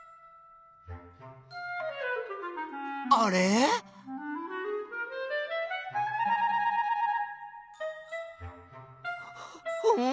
あれっ？ん？